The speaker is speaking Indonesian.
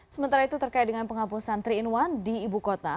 sementara itu terkait dengan penghapusan tiga in satu di ibu kota